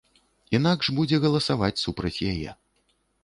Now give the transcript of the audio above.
Інакш будзе галасаваць супраць яе.